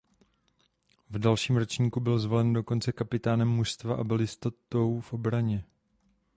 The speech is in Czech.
V dalším ročníku byl zvolen dokonce kapitánem mužstva a byl jistotou v obraně.